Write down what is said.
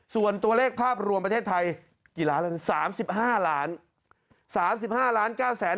ส่วนตัวเลขภาพรวมประเทศไทย๓๕ล้าน